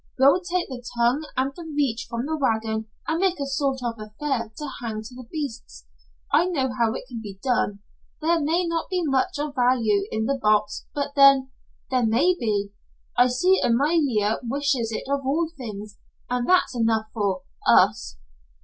We'll take the tongue and the reach from the wagon and make a sort of affair to hang to the beasts, I know how it can be done. There may not be much of value in the box, but then there may be. I see Amalia wishes it of all things, and that's enough for us."